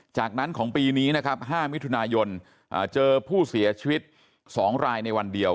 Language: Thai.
จากนั้นของปีนี้นะครับ๕มิถุนายนเจอผู้เสียชีวิต๒รายในวันเดียว